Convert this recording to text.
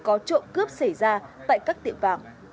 có trộm cướp xảy ra tại các tiệm vạng